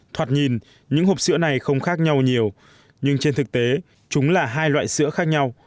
thoạt nhìn những hộp sữa này không khác nhau nhiều nhưng trên thực tế chúng là hai loại sữa khác nhau